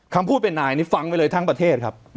คำพูดเป็นนายนี่ฟังไปเลยทั้งประเทศครับ